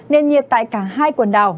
nền nhiệt tại cả hai quần đảo